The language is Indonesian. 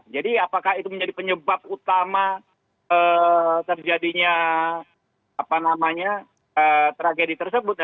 jadi apakah itu menjadi penyebab utama terjadinya tragedi tersebut